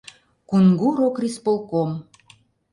Кунгур Окрисполком!